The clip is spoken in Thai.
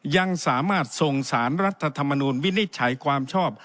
ยังสามารถส่งสารรัฐธรรมนูลวินิจฉัยความชอบ